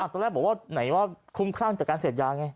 ตอนแรกบอกว่าไหนว่าคุ้มครั่งจากการเสพยาไง